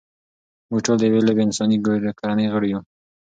موږ ټول د یوې لویې انساني کورنۍ غړي یو.